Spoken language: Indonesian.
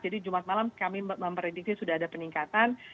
jadi jumat malam kami memprediksinya sudah ada peningkatan